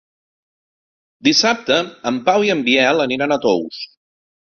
Dissabte en Pau i en Biel aniran a Tous.